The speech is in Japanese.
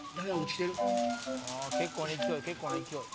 結構な勢い結構な勢い。